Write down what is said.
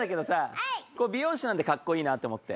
美容師なんてかっこいいなって思って。